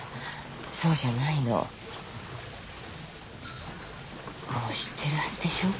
そうじゃないのもう知ってるはずでしょう？